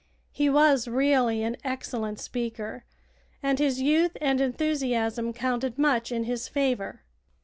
He was really an excellent speaker, and his youth and enthusiasm counted much in his favor.